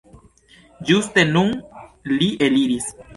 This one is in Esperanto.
Ĝuste nun li eliris.